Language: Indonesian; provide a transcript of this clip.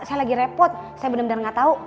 saya lagi repot saya benar benar nggak tahu